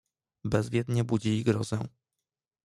"Bezwiednie budzili grozę."